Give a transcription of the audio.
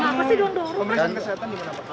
pemeriksaan kesehatan di mana pak